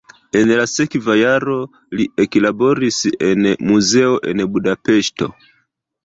En la sekva jaro li eklaboris en muzeo en Budapeŝto.